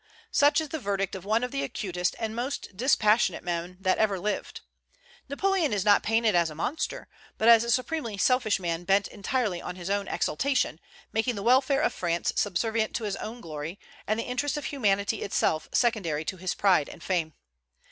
Such is the verdict of one of the acutest and most dispassionate men that ever lived. Napoleon is not painted as a monster, but as a supremely selfish man bent entirely on his own exaltation, making the welfare of France subservient to his own glory, and the interests of humanity itself secondary to his pride and fame.